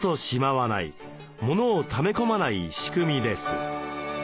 モノをため込まない仕組みです。